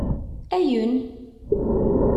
Ayen?